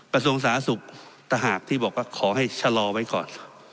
กระทรวงสาธารณสุขถ้าหากที่บอกว่าขอให้ชะลอไว้ก่อน